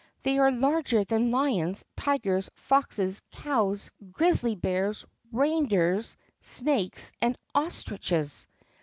"They are larger than lions, tigers, foxes, cows, grizzly bears, reindeers, snakes, and ostriches."